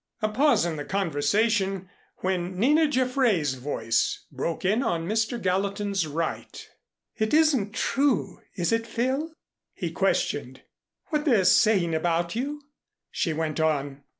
A pause in the conversation when Nina Jaffray's voice broke in on Mr. Gallatin's right. "It isn't true, is it, Phil?" He questioned. "What they're saying about you," she went on.